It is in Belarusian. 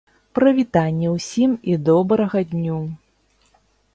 Прывітанне ўсім і добрага дню.